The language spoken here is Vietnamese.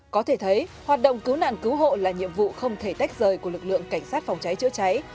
có thể thấy hoạt động cứu nạn cứu hộ là nhiệm vụ không thể tách rời của lực lượng cảnh sát phòng cháy chữa cháy